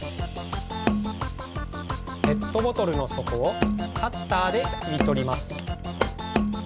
ペットボトルのそこをカッターできりとります。